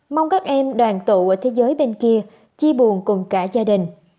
mong các em đoàn tụ ở thế giới bên kia chia buồn cùng cả gia đình